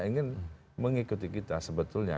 ingin mengikuti kita sebetulnya